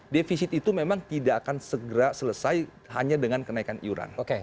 defisit itu memang tidak akan segera selesai hanya dengan kenaikan iuran